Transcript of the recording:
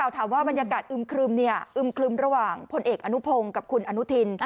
ถามว่าบรรยากาศอึมครึมอึมครึมระหว่างพลเอกอนุพงศ์กับคุณอนุทิน